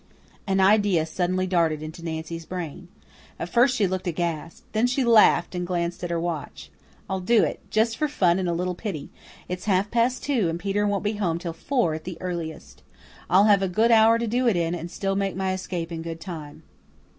An idea suddenly darted into Nancy's brain. At first she looked aghast. Then she laughed and glanced at her watch. "I'll do it just for fun and a little pity. It's half past two, and Peter won't be home till four at the earliest. I'll have a good hour to do it in, and still make my escape in good time.